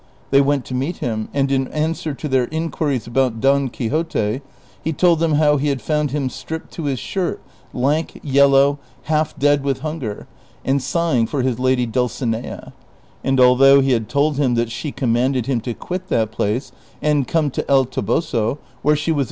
They went to meet him, and in answer to their inquiries about Don Quixote, he told them how he had found him stripped to his shirt, lank, yellow, half dead with hunger, and sighing for his lady Dul cinea ; and although he had told him that she commanded him to (put that place and come to El Toboso, where she was CHAPTER XXIX.